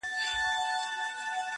شپه كي هم خوب نه راځي جانه زما~